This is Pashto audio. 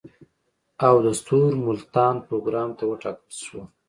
او د ستورملتابه پروګرام ته وټاکل شوه.